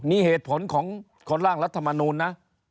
นี่เหตุผลของคนร่างรัฐมนูลนะ